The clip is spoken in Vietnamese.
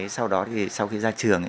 sau đó thì sau khi ra trường